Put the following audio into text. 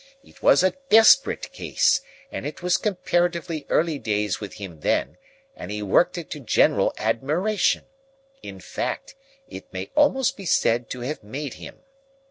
It was a desperate case, and it was comparatively early days with him then, and he worked it to general admiration; in fact, it may almost be said to have made him.